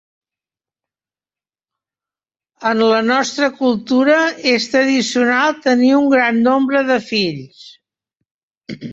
En la nostra cultura, és tradicional tenir un gran nombre de fills.